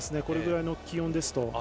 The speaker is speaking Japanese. これぐらいの気温ですと。